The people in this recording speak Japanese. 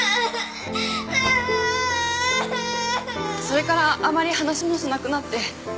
それからあまり話もしなくなって。